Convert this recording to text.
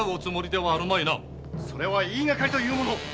それは言いがかりというもの！